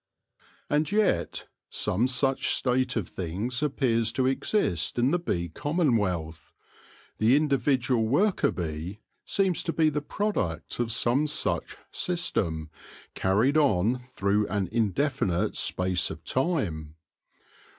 And yet some such state of things appears to exist in the bee commonwealth : the individual worker bee seems to be the product of some such system carried on through an indefinite space of time.